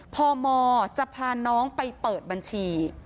พมจะพาน้องไปเปิดบัญชี